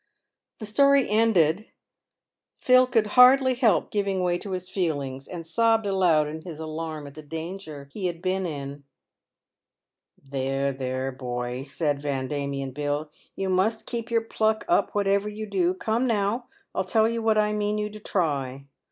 The story ended, Phil could hardly help giving way to his feelings, and sobbed aloud in his alarm at the danger he had been in. " There, there, boy," said Van Diemen Bill, " you must keep your pluck up whatever you do. Come, now, I'll tell you what I mean you to try.